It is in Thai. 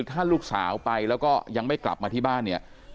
ถ้าลูกสาวไปแล้วก็ยังไม่กลับมาที่บ้านเนี่ย